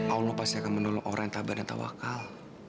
allah pasti akan menolong orang yang tak berdata wakal